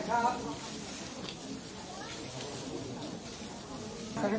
ขอบคุณครับ